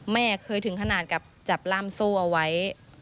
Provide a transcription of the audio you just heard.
แม่เคยถึงขนาดกับจับล่ามโซ่เอาไว้